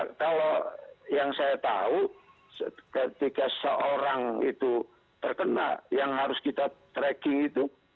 nah kalau yang saya tahu ketika seorang itu terkena yang harus kita tracking itu